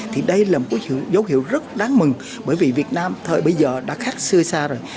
thì đây là một dấu hiệu rất đáng mừng bởi vì việt nam thời bây giờ đã khác xưa xa rồi